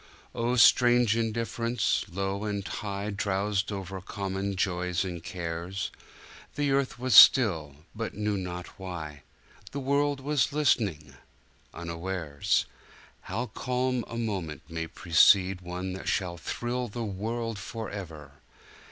Oh, strange indifference! low and high Drowsed over common joys and cares; The earth was still — but knew not why, The world was listening — unawares. How calm a moment may precede One that shall thrill the world forever!